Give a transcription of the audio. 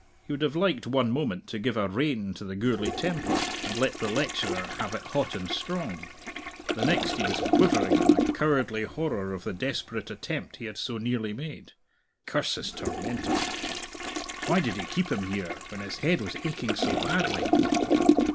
He would have liked one moment to give a rein to the Gourlay temper, and let the lecturer have it hot and strong; the next, he was quivering in a cowardly horror of the desperate attempt he had so nearly made. Curse his tormentor! Why did he keep him here, when his head was aching so badly?